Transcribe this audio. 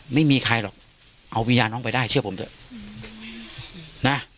ไม่มีใครหรอกเอาวิญญาณน้องไปได้เชื่อผมเถอะนะ